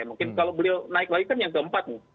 mungkin kalau beliau naik lagi kan yang keempat nih